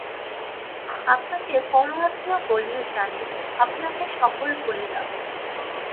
আপনাকে পরমাত্মীয় বলিয়া জানি, আপনাকে সকল বলিলাম।